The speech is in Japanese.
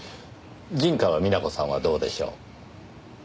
陣川美奈子さんはどうでしょう？え？